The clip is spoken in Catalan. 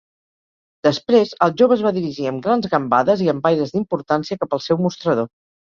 Després, el jove es va dirigir amb grans gambades i amb aires d'importància cap al seu mostrador.